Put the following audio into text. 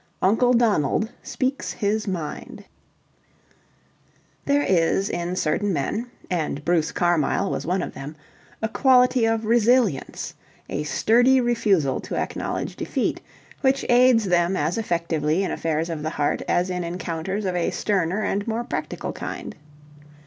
UNCLE DONALD SPEAKS HIS MIND There is in certain men and Bruce Carmyle was one of them a quality of resilience, a sturdy refusal to acknowledge defeat, which aids them as effectively in affairs of the heart as in encounters of a sterner and more practical kind.